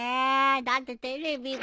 だってテレビが。